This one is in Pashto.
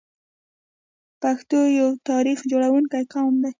پښتون یو تاریخ جوړونکی قوم دی.